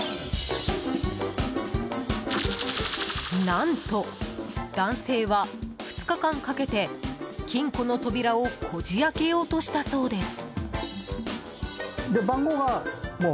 何と、男性は２日間かけて金庫の扉をこじ開けようとしたそうです。